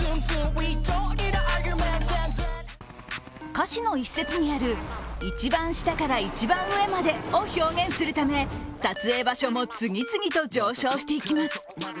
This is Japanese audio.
歌詞の一節にある一番下から一番上までを表現するため撮影場所も次々と上昇していきます。